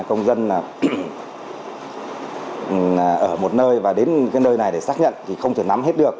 công dân ở một nơi và đến nơi này để xác nhận không thể nắm hết được